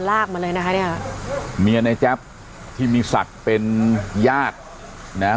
ลากมาเลยนะคะเนี่ยเมียในแจ๊บที่มีศักดิ์เป็นญาตินะฮะ